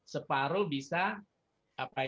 separuh bisa offline